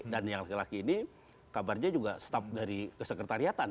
dan yang laki laki ini kabarnya juga staf dari kesekretariatan